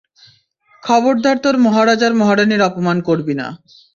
খবরদার তোর মহারাজ আর মহারানীর অপমান করবি না!